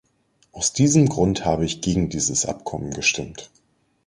Aus diesem Grunde habe ich gegen dieses Abkommen gestimmt.